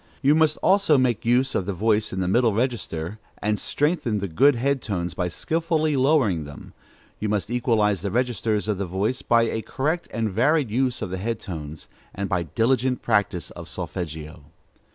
You must also make use of the voice in the middle register, and strengthen the good head tones by skilfully lowering them; you must equalize the registers of the voice by a correct and varied use of the head tones, and by diligent practice of solfeggio.